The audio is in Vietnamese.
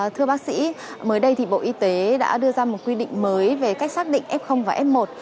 thưa bác sĩ mới đây thì bộ y tế đã đưa ra một quy định mới về cách xác định f và f một